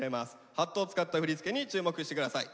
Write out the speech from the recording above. ハットを使った振り付けに注目して下さい。